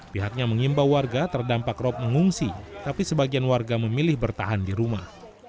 pihaknya mengimbau warga terdampak rop mengungsi tapi sebagian warga memilih bertahan di rumah